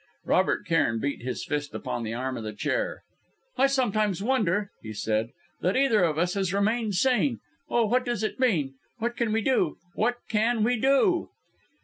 Robert Cairn beat his fist upon the arm of the chair. "I sometimes wonder," he said, "that either of us has remained sane. Oh! what does it mean? What can we do? What can we do?"